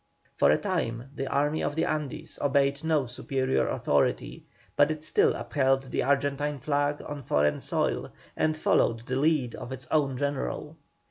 For a time the Army of the Andes obeyed no superior authority, but it still upheld the Argentine flag on foreign soil, and followed the lead of its own General.